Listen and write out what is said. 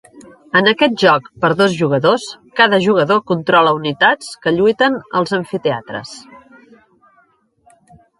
En aquest joc per dos jugadors, cada jugador controla unitats que lluiten als amfiteatres.